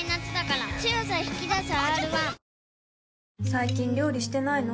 最近料理してないの？